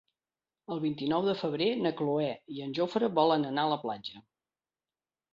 El vint-i-nou de febrer na Cloè i en Jofre volen anar a la platja.